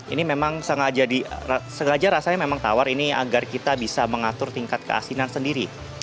ini memang sengaja rasanya memang tawar ini agar kita bisa mengatur tingkat keasinan sendiri